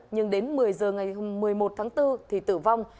nhưng đến một mươi giờ ngày một mươi một tháng bốn thì tử vong